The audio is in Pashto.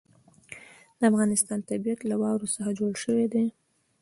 د افغانستان طبیعت له واوره څخه جوړ شوی دی.